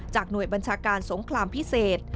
หน่วยบัญชาการสงครามพิเศษ